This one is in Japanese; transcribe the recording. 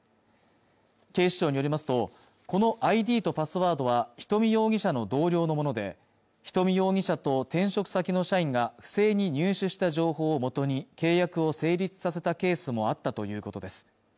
警視庁によりますとこのＩＤとパスワードは人見容疑者の同僚のもので人見容疑者と転職先の社員が不正に入手した情報をもとに契約を成立させたケースもあったということです